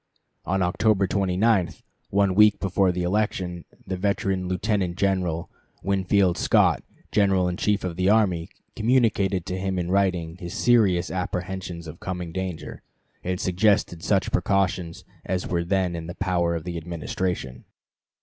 On October 29, one week before the election, the veteran Lieutenant General Winfield Scott, General in Chief of the Army, communicated to him in writing his serious apprehensions of coming danger, and suggested such precautions as were then in the power of the Administration.